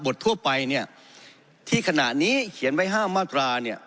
ทั่วไปเนี่ยที่ขณะนี้เขียนไว้๕มาตราเนี่ย